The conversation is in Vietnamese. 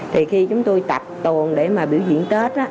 thì khi chúng tôi tập tuần để mà biểu diễn tết á